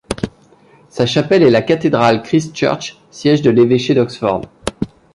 Sa chapelle est la cathédrale Christ Church, siège de l'évêché d'Oxford.